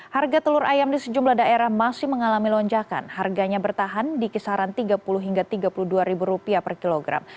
harga telur ayam di sejumlah daerah masih mengalami lonjakan harganya bertahan di kisaran rp tiga puluh hingga rp tiga puluh dua per kilogram